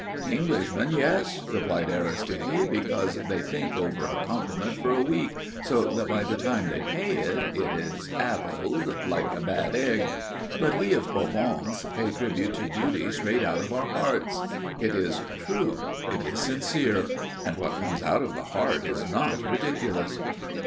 "Englishmen, yes," replied Aristide, "because they think over a compliment for a week, so that by the time they pay it, it is addled, like a bad egg. But we of Provence pay tribute to beauty straight out of our hearts. It is true. It is sincere. And what comes out of the heart is not ridiculous."